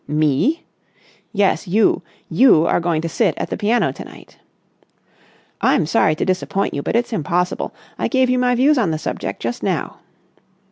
"Me!" "Yes, you. You are going to sit at the piano to night." "I'm sorry to disappoint you, but it's impossible. I gave you my views on the subject just now."